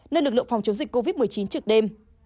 nơi lực lượng phòng chống dịch covid một mươi chín trực đêm